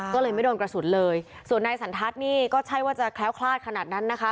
ก็เลยไม่โดนกระสุนเลยส่วนนายสันทัศน์นี่ก็ใช่ว่าจะแคล้วคลาดขนาดนั้นนะคะ